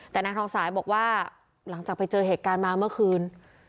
แต่นางทองสายบอกว่าหลังจากไปเจอเหตุการณ์มาเมื่อคืน